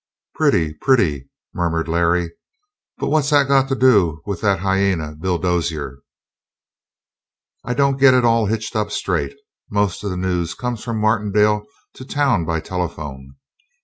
"Pretty, pretty!" murmured Larry. "But what's that got to do with that hyena, Bill Dozier?" "I don't get it all hitched up straight. Most of the news come from Martindale to town by telephone.